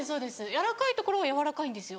軟らかいところは軟らかいんですよ